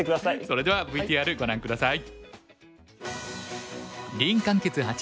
それではＶＴＲご覧下さい。